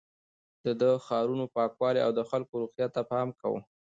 ده د ښارونو پاکوالي او د خلکو روغتيا ته پام کاوه.